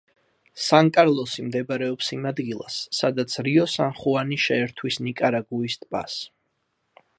სან კარლოსი მდებარეობს იმ ადგილას, სადაც რიო სან ხუანი შეერთვის ნიკარაგუის ტბას.